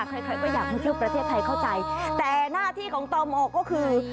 ใครใครก็อยากให้เที่ยวประเทศไทยเข้าใจแต่หน้าที่ของตมก็คือ